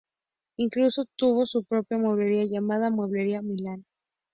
Incluso tuvo su propia mueblería llamada Mueblería Milán.